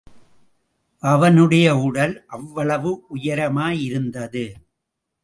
அவனுடைய உடல் அவ்வளவு உயரமாயிருந்தது!